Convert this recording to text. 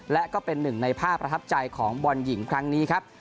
และก็เป็นหนึ่งในภาพประทับใจของบอลหญิงครั้งนี้ครับ